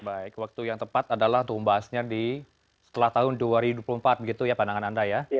baik waktu yang tepat adalah untuk membahasnya di setelah tahun dua ribu dua puluh empat begitu ya pandangan anda ya